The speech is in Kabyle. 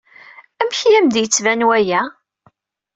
Amek i am-d-yettban waya?